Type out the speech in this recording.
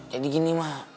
jadi gini mak